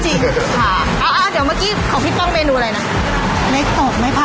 อ๋ออ่อเดี๋ยวเมืวกับของพี่ป้องเมนูอะไรนะ